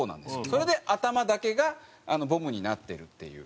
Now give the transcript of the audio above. それで頭だけがボムになってるっていう。